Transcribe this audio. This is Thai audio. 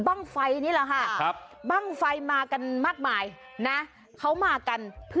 ประหลัดอารมณ์ดีด้วยสิ